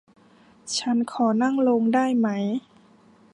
ฉันขอนั่งลงได้ไหม